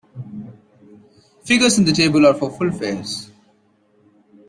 Figures in the table are for full fares.